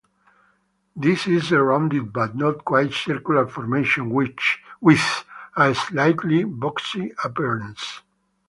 This is a rounded but not quite circular formation, with a slightly boxy appearance.